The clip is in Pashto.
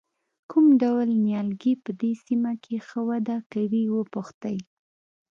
کوم ډول نیالګي په دې سیمه کې ښه وده کوي وپوښتئ.